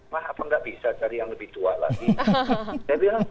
mah apa nggak bisa cari yang lebih tua lagi